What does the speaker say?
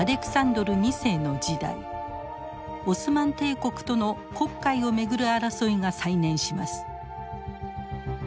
オスマン帝国との黒海をめぐる争いが再燃します。